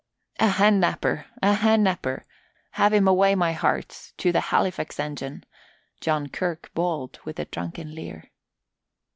"A hand napper, a hand napper! Have him away, my hearts, to the Halifax engine," Joe Kirk bawled with a drunken leer.